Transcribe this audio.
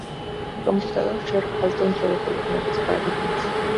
El computador Xerox Alto introdujo los nuevos paradigmas.